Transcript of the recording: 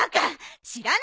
知らない！